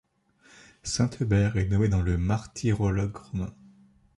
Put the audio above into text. Saint Eubert est nommé dans le martyrologe romain.